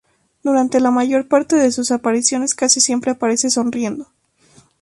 Durante la mayor parte de sus apariciones casi siempre aparece sonriendo.